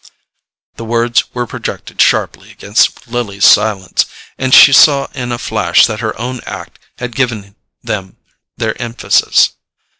The words were projected sharply against Lily's silence, and she saw in a flash that her own act had given them their emphasis.